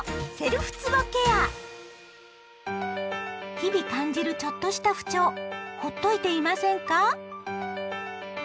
日々感じるちょっとした不調ほっといていませんか？